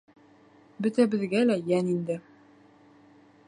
Бөтәбеҙгә лә йән инде.